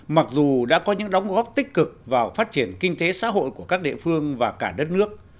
mặc dù đã có những đóng góp tích cực vào phát triển kinh tế xã hội của các địa phương và cả đất nước